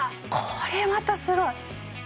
これまたすごい。